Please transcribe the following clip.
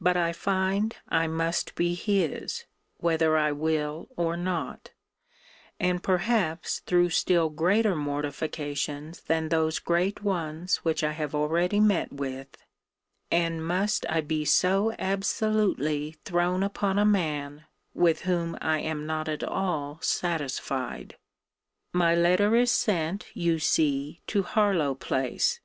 But I find I must be his, whether I will or not; and perhaps through still greater mortifications than those great ones which I have already met with And must I be so absolutely thrown upon a man, with whom I am not at all satisfied! My letter is sent, you see, to Harlowe place.